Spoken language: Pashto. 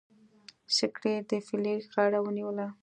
سکلیټ د فلیریک غاړه ونیوه.